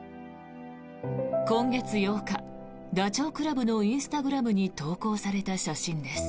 今月４日、ダチョウ倶楽部のインスタグラムに投稿された写真です。